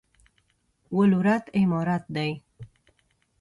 ولورت عمارت دی؟